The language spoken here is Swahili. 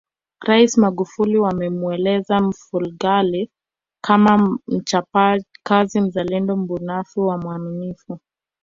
Rais Magufuli amemweleza Mfugale kama mchapakazi mzalendo mbunifu na mwaminifu